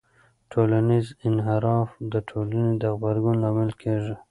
ټولنیز انحراف د ټولنې د غبرګون لامل کېږي.